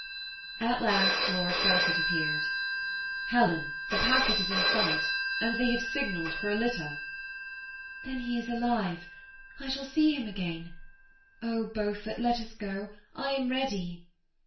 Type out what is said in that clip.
At last Lord Beaufort appeared. ^' Helen, the pack et is in sight, and they have signalled for a litter." ^^ Then he is alive ; I shall see him again. Oh ! Beaufort, let us go; I am ready."